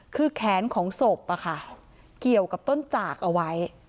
คือแขนของศพเกี่ยวกับต้นจากเอาไว้